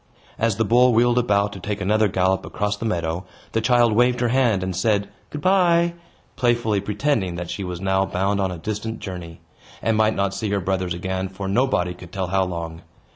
As the bull wheeled about to take another gallop across the meadow, the child waved her hand, and said, "Good bye," playfully pretending that she was now bound on a distant journey, and might not see her brothers again for nobody could tell how long.